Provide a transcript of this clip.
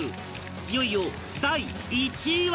いよいよ第１位は